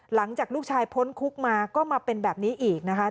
หลังจากลูกชายพ้นคุกมาก็มาเป็นแบบนี้อีกนะคะ